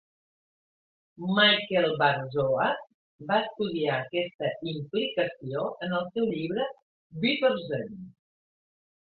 Michael Bar-Zohar va estudiar aquesta implicació en el seu llibre "Bitter Scent".